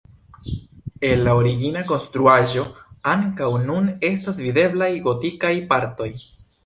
Ela origina konstruaĵo ankaŭ nun estas videblaj gotikaj partoj.